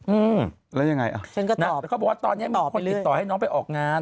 อือแล้วยังไงอ้าวเค้าบอกว่าตอนนี้มีคนติดต่อให้น้องไปออกงาน